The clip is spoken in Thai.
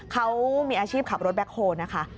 เขามีอาชีพขับรถแบ็คโฮลนะคะ